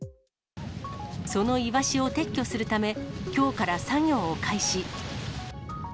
そのイワシを撤去するため、きょうから作業を開始。